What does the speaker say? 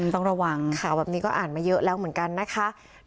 ต้องระวังข่าวแบบนี้ก็อ่านมาเยอะแล้วเหมือนกันนะคะ